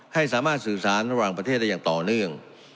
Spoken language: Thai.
ให้สามารถสื่อสารระหว่างประเทศได้อย่างต่อเนื่อง